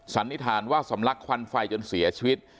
สันนิษฐานว่าสำลักควันไฟจนเสียชีวิต